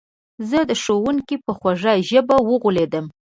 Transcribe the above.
زه د ښوونکي په خوږه ژبه وغولېدم